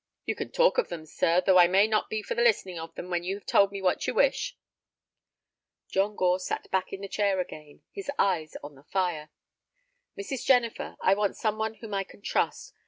"You can talk of them, sir, though I may not be for listening to them when you have told me what you wish." John Gore sat back in the chair again, his eyes on the fire. "Mrs. Jennifer, I want some one whom I can trust.